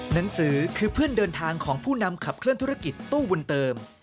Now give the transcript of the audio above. หนังสือคือเพื่อนเดินทางของผู้นำขับเคลื่อนธุรกิจตู้บุญเติม